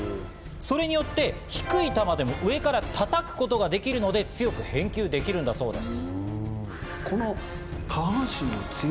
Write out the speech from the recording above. それによって低い球でも上から、たたくことができるので、強く返球できるんだそうです。